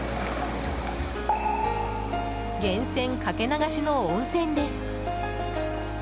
源泉かけ流しの温泉です。